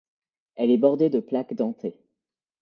Elle est bordée de plaques dentées.